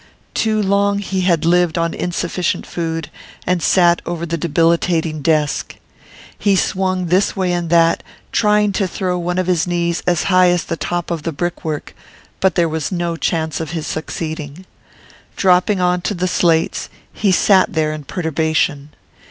Too long he had lived on insufficient food and sat over the debilitating desk. He swung this way and that, trying to throw one of his knees as high as the top of the brickwork, but there was no chance of his succeeding. Dropping on to the slates, he sat there in perturbation.